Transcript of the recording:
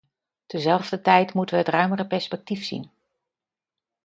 Tezelfdertijd moeten we het ruimere perspectief zien.